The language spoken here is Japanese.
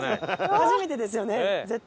初めてですよね絶対。